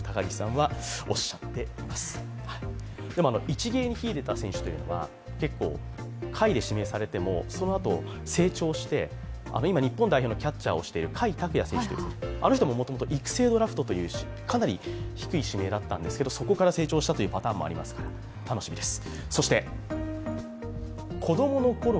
一芸にひいでた選手は結構下位で指名されてもそのあと成長して、今、日本代表のキャッチャーしている甲斐拓也選手ももともと育成ドラフトというかなり低い指名だったんですけど、そこから成長したというパターンもありますから楽しみです。